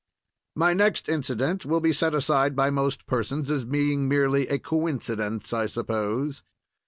My next incident will be set aside by most persons as being merely a "coincidence," I suppose.